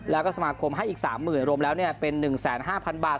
แล้วก็สมาคมให้อีก๓๐๐๐รวมแล้วเป็น๑๕๐๐๐บาท